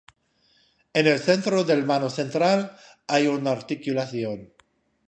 En el centro del vano central, hay una articulación.